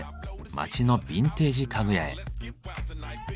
街のビンテージ家具屋へ。